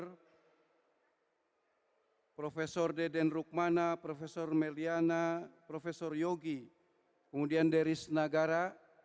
hai profesor deden rukmana profesor meliana profesor yogi kemudian dari senagara